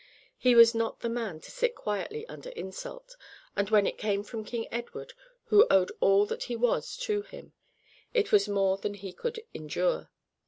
He was not the man to sit quietly under insult, and when it came from King Edward, who owed all that he was to him, it was more than he could endure.